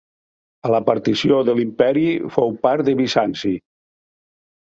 A la partició de l'imperi fou part de Bizanci.